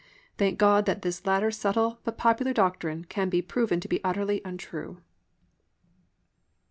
Thank God that this latter subtle but popular doctrine can be proven to be utterly untrue!